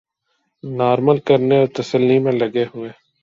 normal کرنے اور تسلی میں لگے ہوئے